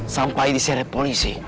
sampai diseret polisi